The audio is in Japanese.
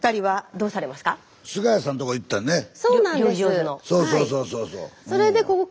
そうそうそうそうそう。